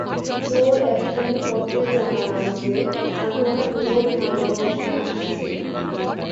জো-র একখানি পত্রে জানলাম যে, আপনারা দুজন ভারতবর্ষে আসছেন।